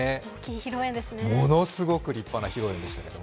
ものすごく立派な披露宴でした。